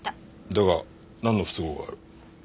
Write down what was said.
だがなんの不都合がある？